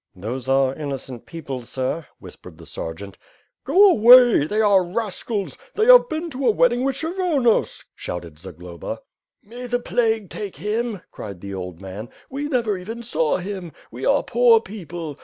'^ *'Tho8e are innocent people, Sir," whispered the sergeant. "Go away! They are rascals. They have been to a wed ding with Krshyvonos,^^ shouted Zagloba. "May the plague take him!'' cried the old man. "We never even saw him. We are poor people.